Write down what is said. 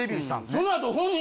そのあと。